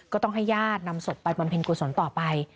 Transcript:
ก็ต้องให้ญาตินำศพไปบำเพ็ญกุศลต่อไป